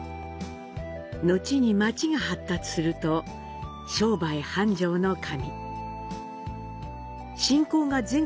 のちに町が発達すると商売繁盛の神。